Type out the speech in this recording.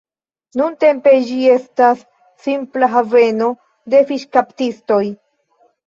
Nuntempe ĝi estas simpla haveno de fiŝkaptistoj.